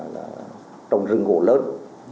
là trồng rừng gỗ lớn